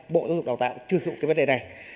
bộ giáo dục và đào tạo chưa sử dụng vấn đề này